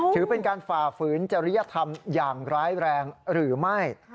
ถือเป็นการฝ่าฝืนจริยธรรมอย่างร้ายแรงหรือไม่